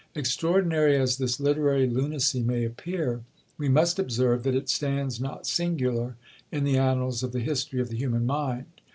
Extraordinary as this literary lunacy may appear, we must observe, that it stands not singular in the annals of the history of the human mind.